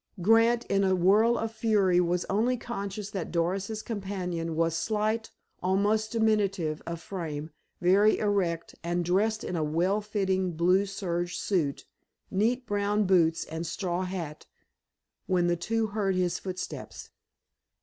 Grant, in a whirl of fury, was only conscious that Doris's companion was slight, almost diminutive, of frame, very erect, and dressed in a well fitting blue serge suit, neat brown boots and straw hat, when the two heard his footsteps.